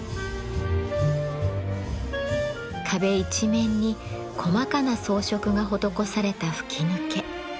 壁一面に細かな装飾が施された吹き抜け。